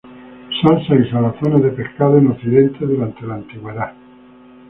Salsas y Salazones de pescado en Occidente, durante la Antigüedad.